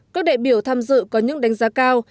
các đại biểu tham dự có những đánh giá cao